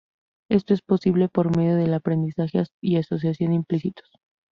Esto es posible por medio del aprendizaje y asociación implícitos.